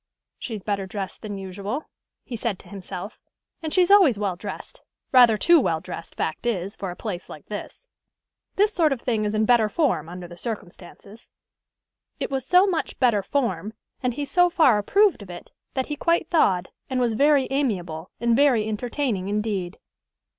"She's better dressed than usual," he said to himself. "And she's always well dressed, rather too well dressed, fact is, for a place like this. This sort of thing is in better form, under the circumstances." It was so much "better form," and he so far approved of it, that he quite thawed, and was very amiable and very entertaining indeed.